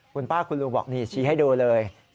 คุณป้าคุณลุงบอกนี่ชี้ให้ดูเลย